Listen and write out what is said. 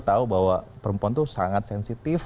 tau bahwa perempuan tuh sangat sensitif